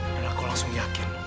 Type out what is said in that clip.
dan aku langsung yakin